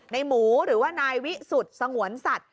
ในหมูหรือว่านายวิสุทธิ์สงวนสัตว